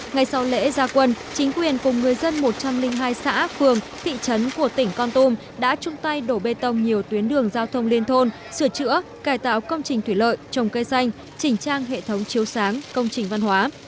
ngày sau lễ gia quân chính quyền cùng người dân một trăm linh hai xã phường thị trấn của tỉnh con tum đã chung tay đổ bê tông nhiều tuyến đường giao thông liên thôn sửa chữa cải tạo công trình thủy lợi trồng cây xanh chỉnh trang hệ thống chiếu sáng công trình văn hóa